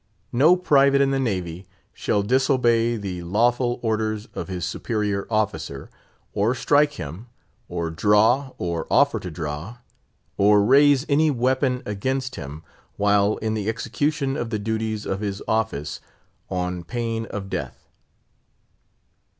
"No private in the navy shall disobey the lawful orders of his superior officer, or strike him, or draw, or offer to draw, or raise any weapon against him, while in the execution of the duties of his office, on pain of death."